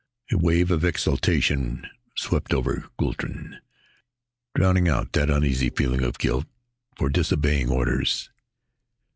A wave of exultation swept over Guldran, drowning out the uneasy feeling of guilt at disobeying orders.